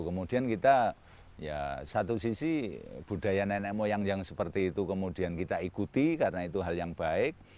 kemudian kita ya satu sisi budaya nenek moyang yang seperti itu kemudian kita ikuti karena itu hal yang baik